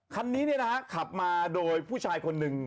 คันนี้เนี่ยนะฮะขับมาโดยผู้ชายคนหนึ่ง